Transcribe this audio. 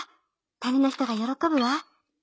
谷の人が喜ぶわ。